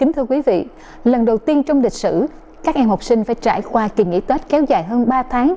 thưa quý vị lần đầu tiên trong lịch sử các em học sinh phải trải qua kỳ nghỉ tết kéo dài hơn ba tháng